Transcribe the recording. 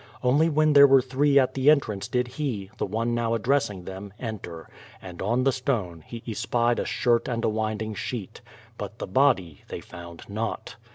Only when there were three at the entrance did he, the one now addressing them, enter; and on the stone he espied a shirt and a winding sheet. lUit the body they found not.